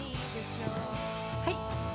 はい。